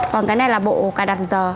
còn cái này là bộ cài đặt giờ